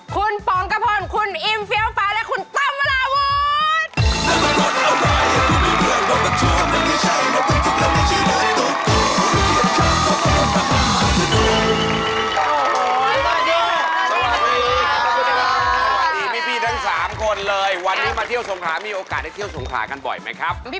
คุณปองกระพ่นคุณอิ้มเฟี้ยวฟ้าและคุณต้มลาวูด